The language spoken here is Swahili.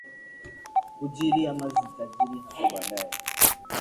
kujiri ama zitajiri hapo baadaye